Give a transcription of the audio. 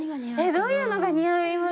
どういうのが似合います？